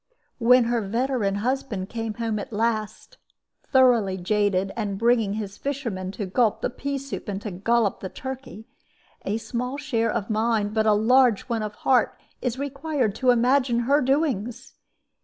When her veteran husband came home at last (thoroughly jaded, and bringing his fishermen to gulp the pea soup and to gollop the turkey), a small share of mind, but a large one of heart, is required to imagine her doings.